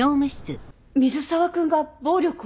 水沢君が暴力を？